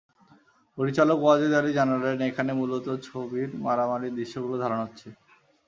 পরিচালক ওয়াজেদ আলী জানালেন, এখানে মূলত ছবির মারামারির দৃশ্যগুলো ধারণ হচ্ছে।